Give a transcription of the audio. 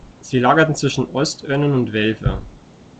Sie lagerten zwischen Ostönnen und Welver.